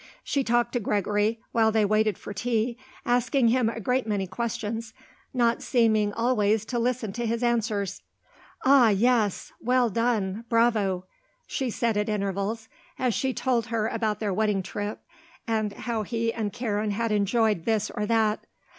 She talked to Gregory, while they waited for tea, asking him a great many questions, not seeming, always, to listen to his answers. "Ah, yes. Well done. Bravo," she said at intervals, as he told her about their wedding trip and how he and Karen had enjoyed this or that.